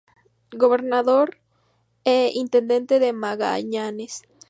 Gobernador e Intendente de Magallanes.